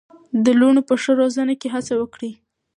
د لوڼو په ښه روزنه کې هڅه وکړئ.